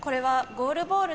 ゴールボール？